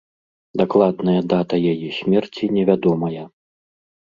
Дакладная дата яе смерці невядомая.